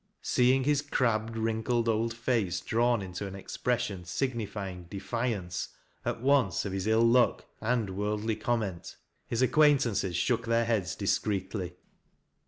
Seeing his crabbed, wrinkled old face drawn into an expression signifying defiance at once of his ill luck and worldly comment, his acquaintances shook their heads discreetly.